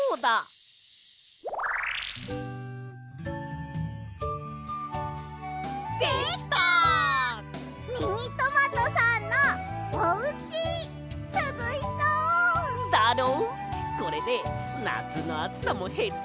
だろ？